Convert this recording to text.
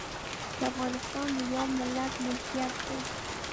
چې افغانستان د يوه ملت ملکيت دی.